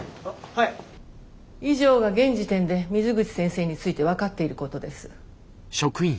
以上が現時点で水口先生について分かっていることです。